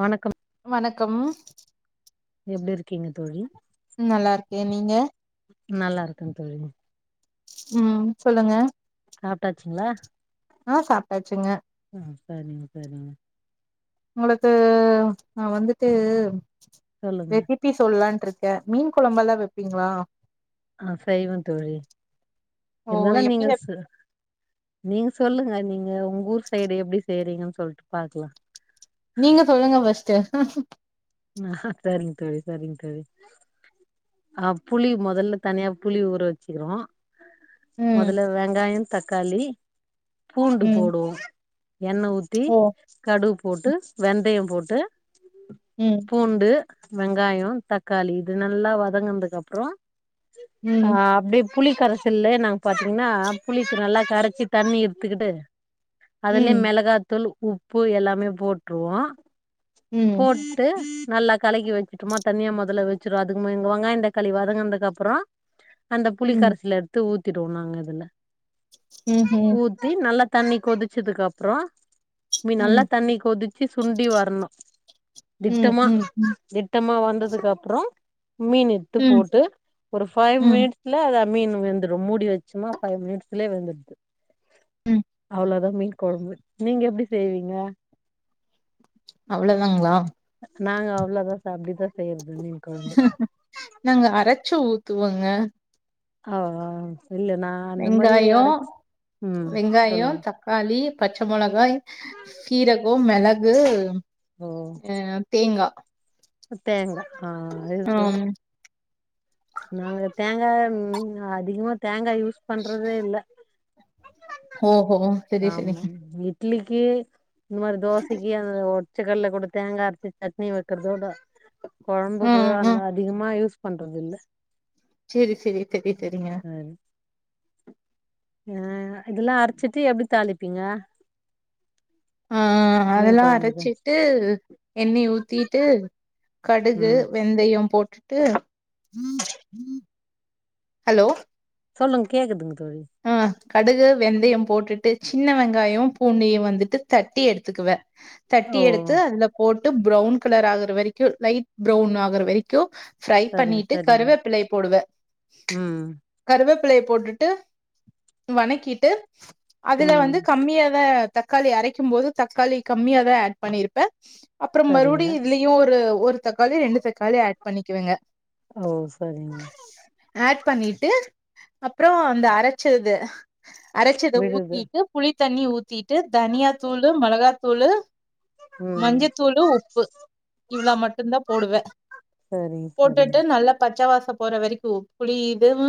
வணக்கம் வணக்கம் எப்டி இருக்கீங்க தோழி நல்லா இருக்கே நீங்க நல்லா இருக்க தோழி ம் சொல்லுங்க சாப்ட்டாச்சுங்களா ஆ சாப்ட்டாச்சுங்க அ சரிங்க சரிங்க உங்களுக்கு நா வந்துட்டு சொல்லுங்க ரெசி ப்பி சொல்லலான்ட்ருக்கே மீன் கொழம்பெல்லா வெப்பீங்களா அ செய்வே தோழி ஓ இருந்தாலு எப்டி நீங்க வெப் சு நீங்க சொல்லுங்க நீங்க உங்க ஊர் சைடு எப்டி செய்றீங்கன் சொல்ட்டு பாக்கலா நீங்க சொல்லுங்க ஃபஸ்ட்டு சரிங்க தோழி சரிங்க தோழி ஆ புளி முதல்ல தனியா புளி ஊற வச்சுக்குறோ ம் முதல்ல வெங்காய தக்காளி பூண்டு ம் போடுவோ எண்ணெ ஊத்தி ஓ கடுகு போட்டு வெந்தய போட்டு ம் பூண்டு வெங்காயொ தக்காளி இது நல்லா வதங்குனதுக்கு அப்புறோ ஆ ம் அப்டி புளி கரச்சல்ல நா பாத்தீங்கன்னா புளிக்கு நல்லா கரச்சி தண்ணி எத்துக்கிட்டு அதுலயே ம் மெளகாத்தூள் உப்பு எல்லாமே போட்ருவோ ம் போட் நல்லா களக்கி வெச்சுட் சுமா தண்ணிய முதல்ல வெச்சிடு அதுக்கும எங்க வெங்காயந்த களி வதங்குனதுக்கு அப்புற அந்த புளி ம் கரச்சுல எடுத்து ஊத்திடுவோ நாங்க இதுல ம் ஹும் த்தி நல்லா தண்ணி கொதிச்சதுக்கு அப்புறோ நீ ம் நல்லா தண்ணி கொதிச்சு சுண்டி வரணு ம் திட்டமா ம் ம் திட்டமா வந்ததுக்கு அப்புறோ மீனு த்து ம் போட்டு ஒரு ஃபைவ் ம் மினிட்ஸ் ல அத மீன் வெந்துடு மூடி வெச்சுமா ஃபைவ் மினிட்ஸ்லேயே வெந்துடுது ம் அவ்ளோதா மீன் குழம்பு நீங்க எப்டி செய்வீங்க அவ்ளதாங்களா நாங்க அவ்ளோதா சா அப்டித்தா செய்யறது மீன் கொழும்பு நாங்க அரச்சு ஊத்துவோங்க ஆ ஆ இல்ல நா அந்த மாரி வெங்காயோ அரச் ம் சொல்லுங்க க்காளி பச்ச மொளகாய் சீரகொ மெளகு ஓ அ தேங்கா தேங்கா ஆ இதுது ம் நாங்க தேங்கா ம் அதிகமா தேங்கா யூஸ் பண்றதே இல்ல ஓ ஹோ சரி சரி ஆமா இட்லிக்கு இந்த மாரி தோசைக்கு அந்த ஒ பச்சக்கல்ல கூட தேங்கா அரச்சு சட்னி வைக்கறதோட கொழம்புக்கு ம் அந்த ம் அதிகமா யூஸ் பண்றதுல்ல சேரி செரி செரி செரிங்க ஆ ஆ இதுல்லா அரச்சிட்டு எப்டி தாளிப்பீங்க ஆ மீன் அதெல்லா கொழம்புக்கு அரச்சிட்டு எண்ணெய ஊத்திட்டு கடுகு வெ ம் வெந்தையம் போட்டுட்டு ஹலோ சொல்லுங் கேக்குதுங்க தோழி ம் கடுகு வெந்தயம் போட்டுட்டு சின்ன வெங்காயோ பூண்டையு வந்துட்டு தட்டி எடுத்துக்குவ ஓ தட்டி எடுத்து அதுல போட்டு ப்ரௌன் கலர் ஆகுற வெரைக்கு லைட் ப்ரௌன் ஆகுற வெரைக்கு ஃப்ரை சரிங்க பண்ணிட்டு சரிங்க கருவேப்பிலைய போடுவ ம் கருவேப்பிலைய போட்டுட்டு வணக்கிட்டு அதுல ம் வந்து கம்மியாத தக்காளி அரைக்கும்போது தக்காளி கம்மியா தா அட் பண்ணிருப்ப அப்புறம் சரிங்க மறுவுடி இதுல இவ் ஒரு ஒரு தக்காளி ரெண்டு தக்காளி அட் பண்ணிக்குவெங்க ஓ சரிங்க அட் பண்ணிட்டு அப்றோ அந்த அரைச்சத அரைச்சத விடுது ஊத்திட்டு புளித்தண்ணி ஊத்திட்டு தனியாத்தூளு மெளகாத்தூளு ம் மஞ்சத்தூளு உப்பு இவ்ளா மட்டு தா போடுவ சரிங்க சரிங்க போட்டுட்டு நல்லா பச்சைவாசோ போற வரை கு புளி இதுவு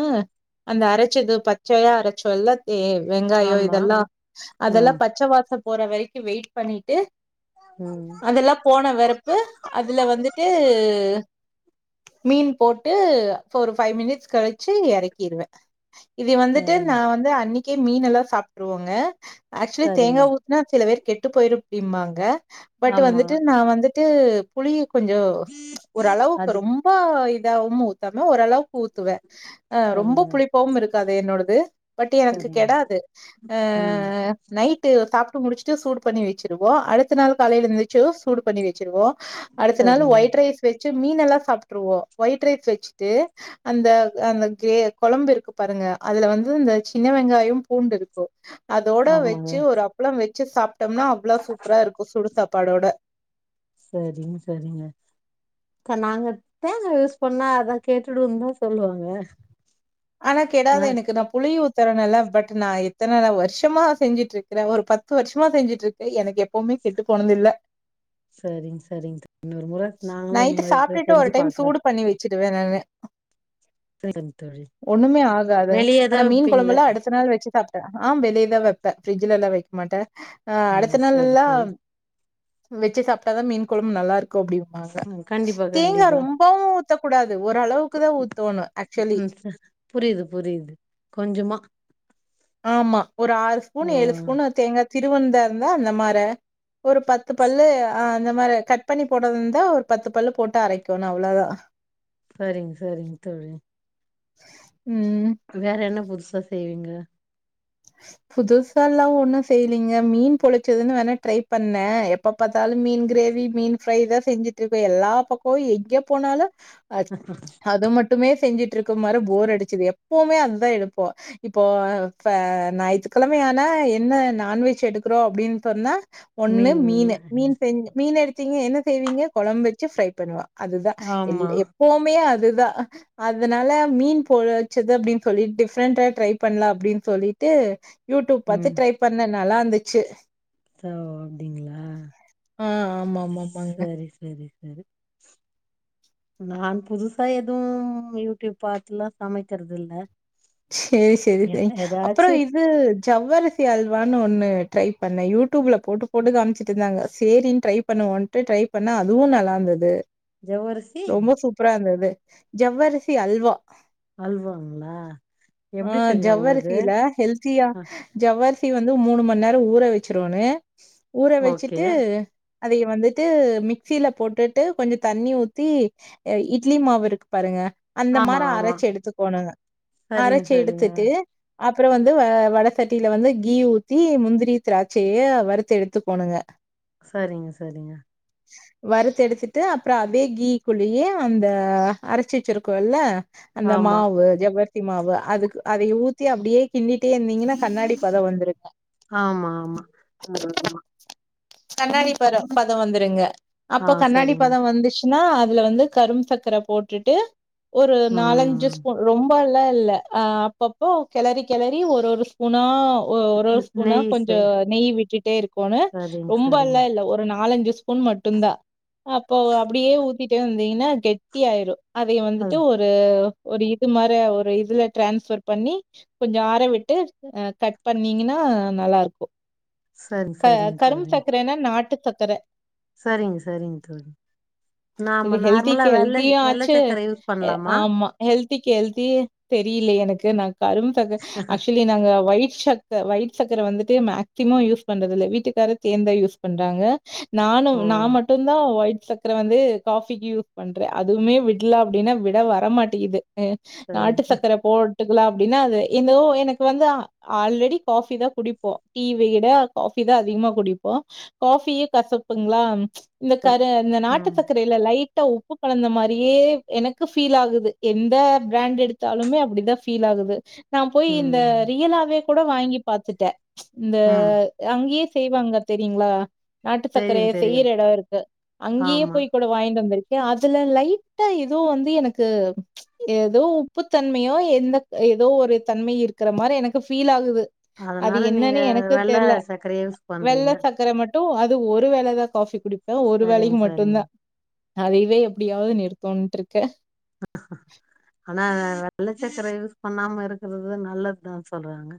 அந்த அரைச்சது பச்சையா அரைச்சோல்ல எ வெங்காயோ ஆமா இதெல்லா அதெல்லா ம் பச்ச வாசோ போற வெரைக்கு வெயிட் பண்ணிட்டு ம் அதெல்லா போன வெரப்பு அதுல வந்துட்டு மீன் போட்டு ஒரு ஃபைவ் மினிட்ஸ் கழிச்சு இறக்கிருவே இது வந்துட்டு சரிங்க நா வந்து அன்னைக்கே மீன் எல்லா சாப்டுருவோங்க அக்சுலி சரிங்க தேங்கா ஊ துனா சில வேர் கெட்டு போயிருப்டிம்பாங்க பட் ஆமா வந்துட்டு நா வந்துட்டு புளியு கொஞ்சோ ஒரளவுக்கு அது ரொம் ப இதாவும் ஊத்தாம ஓரளவுக்கு ஊத்துவ அ ரொம்ப சரிங்க புளிப்பாவும் இரு காது என்னோடது பட் எனக்கு சரிங்க கெடாது அ ம் நைட்டு சாப்ட்டு முடிச்சுட்டு சூடு பண்ணி வெச்சிருவோ அடுத்த நாள் காலையில எந்துச்சு சூடு பண்ணி வச்சிருவோ அடுத்த நாள் சரிங்க ஒயிட் ரைஸ் வெச்சு மீனெல்லா சாப்ட்டுருவோ ஒயிட் ரைஸ் வச்சுட்டு அந்த அந்த கிரே கொழம்பு இரு பாருங்க அதுல வந்து இந்த சின்ன வெங்காயோ பூண்டு இருக்கோ அதோட ஆமாங்க வெச்சு ஒரு அப் ப்ளம் வெச்சு சாப்ட்டோம்னா அவ்ளோ சூப்பரா இருக்கு சுடு சாப்பாடோட சரிங்க சரிங்க தா நாங்க தேங்க யூஸ் பண்ணா அத கேட்டுடுவோ தா சொல்வாங்க ஆனா கெடாது எனக்கு நா புளி ஊத் இத்தன நல்லா பட் நா எத்தன வருஷமா செஞ்சுட்டு இருக்கறே ஒரு பத்து வருஷமா செஞ்சுட்டு இருக் எ எனக்கு எப்பவுமே கேட்டு போனது இல்ல சரிங் சரிங்க இன்னொரு முறை நாங்களு இந்த மாரி செஞ்சு பாக்குறே சிட்டு வேணானு [unintelligible] தோழி ஒண்ணுமே ஆகாது வெளியதா ஆனா மீன் விப்பீங்களா கொழம்பெல்லா அடுத்த நாள் வச்சு சாப் ஆ வெளியேதா வப்பே ஃபிரிஜ்லல்லா வைக்க மாட்டே அ ஆ அடுத்த நாள் சரி எல்லா சரி வெச்சு சாப்ட்டாதா மீன் கொழம்பு நல்லா இருக்கு அப்டிம்பாங்க ம் கண்டிப்பா தேங்கா கண்டிப்பா ரொம்பவு தக் கூடாது ஒரு அளவுக்குதா ஊத்தோணு அக்சுவலி ம் ச புரியுது புரியுது கொஞ்சமா ஆமா ஒரு ஆறு ஸ்பூன் ஓ ஏழு ஸ்பூன் தேங்கா திருவன்தாருந்தா அந்த மார ஒரு பத்து பல்லு ஆ இந்த மாரி கட் பண்ணி போடது இருந்தா ஒரு பத்து பல்லு போட்டு அரைக்கோனு அவ்ளோதா சரிங் சரிங்க தோழி ம் வேற என்ன புதுசா செய்வீங்க [inaudible] புதுசால்லா ஒன்னு செய்லீங்க மீன் பொழிச்சதுன்னு வேணா ட்ரை பண்ண எப்பப் பாத்தாலு மீன் கிரேவி மீன் ஃப்ரை இதா செஞ்சுட்ருக்கோ எல்லா பக்கோ எங்கே போனாலு அத் அது மட் ட்டுமே செஞ்சுட்ருக்குமாரு போர் அடிச்சிது எப்போமே அதுதா எடுப்போ இப்போ இப்ப நாயி கழமை ஆனா என்ன நான்வெஜ் எடுக்குறோ அப்டின் சொன்னா ஒன்னு மீன் மீனு மீன் செஞ் மீன் எடுத்தீங்க என்ன செய்வீங்க கொழம் வெச்சு ஃப்ரை பண்ணுவ அதுதா எல் ஆமா எப் போமே அதுதா அதனால மீன் போல் வச்சது அப்டின் சொல்லி டிஃப்ரெண்டா ட்ரை பண்லா அப்டின் சொல்லி டு யூட்யூப் பத்து ம் ட்ரை பண்ண நல்லார்ந்துச்சு தோ அப்டிங்ளா அ ஆமாமா சரி சரி சரு நான் புதுசா எதுவு யூட்யூப் பாத்துலா சமைக்கற்துல்ல சேரி சேரி சேரி அப்புற இது சவ்வருசி அல்வான் ஒன்று ட்ரை பண்ண யூட்டூப்ல போட்டு போட்டு காம்ச்சிட்டுந்தாங்க சேரின் ட்ரை பண்ணுவோன் டு ட்ரை பண்ண அதுவு நல்லார்ந்த்துது ஜவ்வரிசி ரொம்ப சூப்ரா இர்ந்தது ஜவ்வரிசி அல்வா அல்வாங்ளா ஆ ஜவ்வரிசில ஹெல்த்தியா ஆ ஜவ்வர்சி வந்து மூணு மணி நேர ஊற வச்சிருவனு ஊற ஓகே வெச்சுட்டு அதைய வந்துட்டு மிக்சில போட்டுட்டு கொஞ்ச தண்ணி ஊத்தி அ இட்லி மாவு இருக்கு பாருங்க அந்த ஆமா மார ஆமா அரச்சு எடுத்துக்கோணுங்க சரிங்க அரச்சி சரிங்க எடுத்துட்டு அப்புற வந்து வ வட சட்டில வந்து கீ ஊத்தி முந்திரி திராட்சயே வறுத்த எடுத்து போணுங்க சரிங் சரிங்க வறுத் எடுத்துட்டு அப்ற அதே கீ குளியே அந்த அரச்சு வச்சிருக்கோ இல்ல அந்த ஆமா மாவு ஜவ்வர் தி மாவு அதுக்கு அதை ஊத்தி அப்டியே கிண்டிட்டே இர்ந்தீங்கினா கண்ணாடி பத வந்துருங்க ஆமா ஆமா [inaudible] கண்ணாடி பரோ பத வந்துருங்க ஆ அப்போ கண்ணாடி சரிங்க பத வந்துச்சுன்னா அதுல வந்து கரும் சக்கர போட்டுட்டு ஒரு நாலஞ்சு ம் ஸ்பூன் ரொம் பா லா இல்ல ஆ அப்பப்போ கிளறி கிளரி ஒரு ஒரு ஸ்பூனா ஒ ஒரு ஒரு ஸ்பூனா நெய் கொஞ்ச சே நெய் விட்டுட்டே இருக்கோனு சரிங்க சரிங்க ரொம்பல்லா இல்ல ஒரு நாலஞ்சு ஸ் புன் மட்டுந்தா அப்போ அப்புடியே ஊத்திட்டே வந்தீங்ன்னா கெட்டி ஆயிரு அதைய வந்துட்டு அது ஒர் ரு ஒரு இது மாரே ஒரு இதுல ட்ரான்ஸ்வர் பண்ணி கொஞ்சோ ஆற விட்டு அ கட் பண்ணீங்கன்னா நல்லாருக்கு சரிங்க க சரிங்க கரும் சக்ரேனா நாட்டு தக்கர சரிங் சரிங் தோழி இது நாம நார்மலா ஹெல்திக்கு வெள்ளசி ஹெல்தியு வெள்ள சக்கர யூஸ் பண்லாமா ஹெல்திக்கி ஹெல்தி தெரியில எனக்கு நா கரும் சக்க ஆக்சுலி இ நாங்க வயிட் சக்க வய்ட் சக்கர வந்துட்டு மேக்திமோ யூஸ் பண்றதுல்ல வீட்டுக்கார தேன்ந்தா யூஸ் பண்றாங்க நானு ஓ நா மட்டுந்தா ஒயிட் சக்கர வந்து காஃபிக்கி யூஸ் பண்ற அதுவுமே விட்ல அப்டின்னா விட வரமாட்டேங்கிது அ சரி நாட்டு சக்கர போட்டுக்கலா அப்டின்னா அது இந்தோ எனக்கு வந்து ஆல்ரெடி காஃபி தா குடிப்போ டீ விட காஃபி தா அதிகமா குடிப்போ காஃபியு கசப்புங்ளா இந்த கரு இந்த நாட்டு ம் சக்கர எடுத் இல்ல லைட்டா உப்பு கலந்த மாரியே எனக்கு பீல் ஆகுது எந்த ப்ராண்ட் எடுத்தாலுமே அப்டிதா ஃபீல் ஆகுது நா போய் இந்த ம் ரியலாவே கூட வாங்கி பாத்துட்டே இந்த ம் அங்கயே செய்வாங்க தெரியுங்ளா நாட்டு தெரியு சர்கக்கரைய தெரியு செய்யுற எடோ இருக்கு அங்கேயே ஆமா போயி கூட வாங்கிட்டு வந்துருக்கே அதுல லைட்டா எதோ வந்து எனக்கு எதோ உப்பு தன்மையோ எந்த எதோ ஒரு தன்மை இருக்குற மாரி எனக்கு பீல் ஆகுது அது அதனால நீங்க என்னன்னு எனக்கு வெள்ள தெர்ல சக்கரைய யூஸ் வெள்ள பண்றீங்க சக்கர மட் ட்டு அது ஒரு வேளதா காஃபி குடிப்பே ஒரு சரிங்க வேலைக்கு சரிங்க மட்டுந்தா அதவே எப்டியாவது நிறுத்துன்ட்ருக்கே அ ஆனா வெள்ளைச்சக்கரை யூஸ் பண்ணாம இருக்குறது நல்லதுதா சொல்றாங்க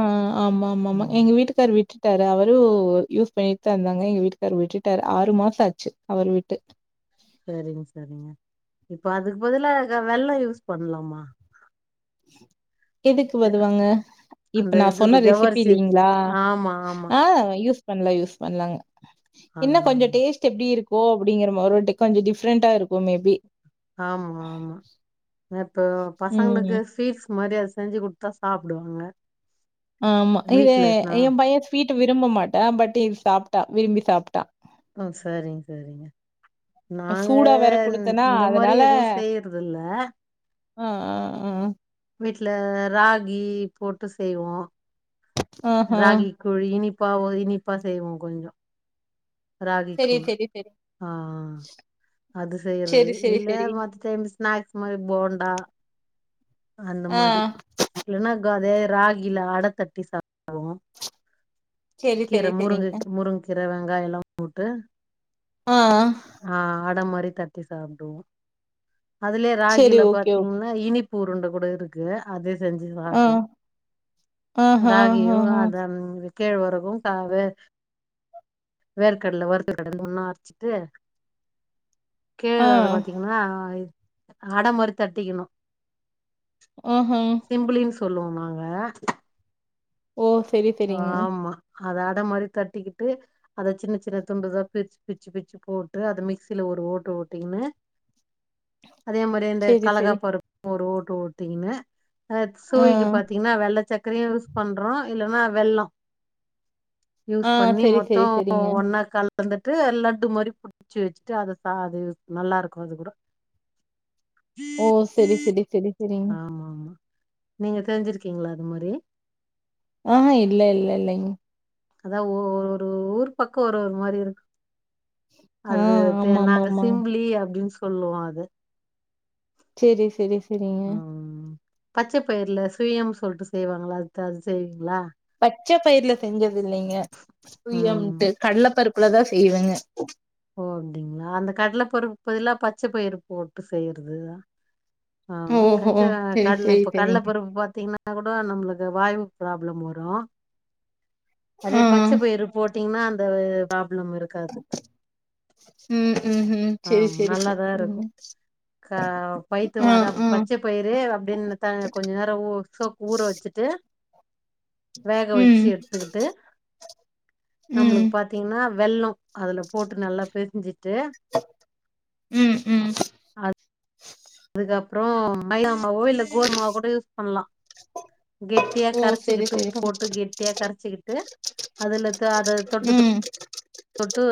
ஆ ஆமா ஆமா ஆமா ம் எங்க வீட்டுக்கு வீட்டுக்கார் விட்டுட்டாரு அவரு யூஸ் பண்ணிட்டு தா இருந்தாங்க எங்க வீட்டுக்காரு விட்டுட்டாரு ஆறு மாசோ ஆச்சு அவரு விட்டு சரிங்க சரிங்க இப்ப அதுக்கு பதுலா இருக்க வெள்ளோ யூஸ் பண்ணலாமா ஏது எதுக்கு வதுவாங்க அந்த இப்ப நா இதுக்கு சொன்ன ரெசிபி ஜவ்வரிசி இல்லைங்ளா ஆமா ஆமா ஆ யூஸ் பண்லா யூஸ் பண்லாங்க ஆ இன்ன கொஞ்ச டேஸ்ட் ட்டு எப்டி இருக்கு அப்டிங்கிற மார் ஒரு வாட்டி கொஞ்ச டிஃப்ரெண்டா இருக்கு மேபி ஆமா ஆமா இப்போ ம். பசங்களுக்கு ஸ்வீட்ஸ் மாரி அத செஞ்சு குடுத்தா சாப்டுவாங்க ஆமா இது வீட்லனா எ பையே ஸ்வீட்டு விரும்ப மாட்டா பட் இது சாப்ட்டா விரும்பி சாப்ட்டா ம் சரிங்க சரிங்க நாங்க சூடா வேற இந் குடுத்தேனா, இந்த மாரி அதனால எதுவு செய்றதுல்ல ஆ ஆ ம் ஆ வீட்ல ராகி போட்டு செய்வோ ஆஹா. ராகி குளி இனிப்பாவு இனிப்பா செய்வோ கொஞ்சோ ராகிக் சரி, கூழ் சரி, சரி. ஆ அது செய்யறது சரி, சரி, இல்ல சரி. மத் டைம் ஸ்நாக்ஸ் மாரி போண்டா அந்த ஆ மாரி இல்னாக்கோ அதே ராகில அட தட்டி சாப்புடுவோ [inaudible] கீர செரி செரிங்க முருங்குக் முருங்க கீர வெங்காயோ எல்லா போட்டு ஆ அ ஆ அட மாரி தட்டி சாப்டுவோ அதுலயே செரி ராகில ஓகே ஓகே பாத்தீங்கன்னா இனிப் ப்பு உருண்ட கூட இருக்கு க்கு அத செஞ்சு ஆ சாப்ட்டுவோ ஆஹா ராகியு ஆஹா அது அந்த கேழ்வரகு கும் காது வேர்க்கடல வருத்த கடல ஒன்னா அரச்சுட்டு ஆ கேழ்வரகு பாத்தீங்க ன்னா அட மாரி தட்டிக்கணு ஓ ஹும் செம்புளின் சொல்லுவோம் நாங்க ஓ செரி செரிங்க ஆமா அத அட மாரி தட்டிக்கிட்டு அத சின்ன சின்ன துண்டுதா பிர்ச்சு பிச்சு பிச்சு போட்டு அத மிக்சியில ஒரு ஓட்டு ஓட்டிக்குனு அதே மாரி இந்த செரி செரி கலக்காப்பருப்பு ஒரு ஓட்டு ஓட்டிக்குன்னு அ அது ஆ சுவைக்கு பாத்தீங்ன்னா வெள்ள சக்கரையு யூஸ் பண்றோ இல்லன்னா வெள்ளோ யூஸ் ஆ பண்ணி செரி மொத்தோ செரி செரிங்க ஒன்னா கலந் துட்டு லட்டு மாரி புட்ச்சு வெச்சுட்டு அத சா அது நல்லா இருக்கோ அது கூடோ ஓ செரி செரி செரி செரிங் ஆமா ஆமா நீங்க தெரிஞ்சிருக்கீங்களா அது மாரி உ ஹு இல்ல இல்ல இல்லைங்க அதா ஓ ஓ ஒரு ஊர் பக்கோ ஒரு ஒரு மாரி இருக் ஆ அது ஆமா ஆமா நாங்க ஆமாங்க சிம்புலி அப்டீன்னு சொல்லுவோ அத செரி செரி செரிங்க ம் பச்ச பயிர்ல சுயம்னு சொல்ட்டு செய்வாங்களா அது அது செய்வீங்களா பச்சபயிர்ல செஞ்சுது இல்லைங்க ம் சுயம்ன்ட்டு கடல பருப்புலதா செய்வேங்க ஓ அப்டீங்களா அந்த கடல பருப்புல பச்ச பயிர் போட்டு செய்றதுதா ஆமா ஓஹோ கச்ச செரி கடல செரி இப்ப கடல செரிங்க பருப்பு பாத்தீங்ன்னா ஆனா கூட நம்முளுக்கு வாய்வு ப்ராப்ளம் வரோ அதே ஆ பச்ச பயிரு போட்டீங்ன்னா அந்த ப்ராப்ளம் இருக்காது ம் ம் ம் செரி செரி செரி ம் க பயித்தமாதா பச்சை பயிறு அப்டீன்னுதா கொஞ்ச நேரோ ஊ சோ ஊற வெச்சுட்டு வேக வெச்சி ம் எடுத்துகிட்டு ம் நம்முளுக்கு பாத் தீங்ன்னா வெள்ளோ அதுல போட்டு நல்லா பெசஞ்சிட்டு ம் ம் அ [unintelligible] இதுகப்புறோ மைதமாவோ இல்ல கோதுமாவ கூட யூஸ் பண்லா கெட்டியா ஓ செரி கரச்சிக்கிட்டு செரி உப்பு செரி போட்டு கெட்டியா கரச்சிக்கிட்டு அதுல து அத தொட்டு தொ ம் ட்டு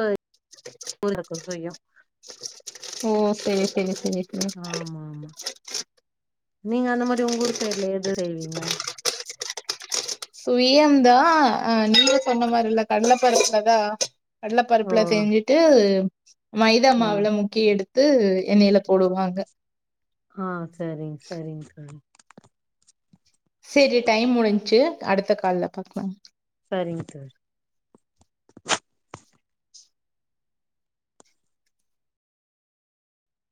[unintelligible] ஓ செரி செரி செ ஆமாமா நீங்க அந்த மாரி உங்க ஊர் சைடுல எது செய்வீங்க சுயம்தா அ நீங்க சொன்ன மாரி இல்ல கட்ல பருப்புலதா ஓ கட்லபருப்புல செய்ஞ்சுட்டு மைதா ம் மாவுல முக் முக்கி எடுத்து எண்ணெயில போடுவாங்க ஆ செரிங்க செரிங்க தோழி செரி டைம் முடிஞ்ச்சி அடுத்த கால்ல பாக்லா சரிங்க சார்